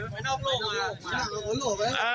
ไปนอกโลกมา